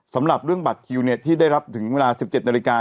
สำหรับเรื่องบัตรคิวที่ได้รับถึงเวลา๑๗นาฬิกา